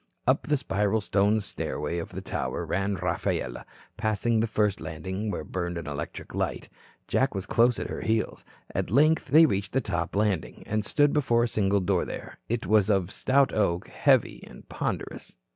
Up the spiral stone stairway of the tower ran Rafaela, passing the first landing where burned an electric light. Jack was close at her heels. At length they reached the top landing, and stood before the single door there. It was of stout oak, heavy and ponderous.